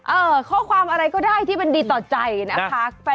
ข้อความอะไรก็ได้ที่มันดีต่อใจนะคะ